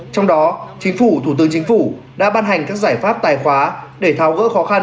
trong đó chính phủ thủ tướng chính phủ đã ban hành các giải pháp tài khoá để tháo gỡ khó khăn